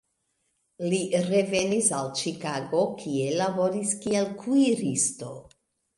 Li revenis al Ĉikago, kie laboris kiel kuiristo.